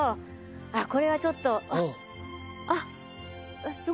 あっこれはちょっとあっ！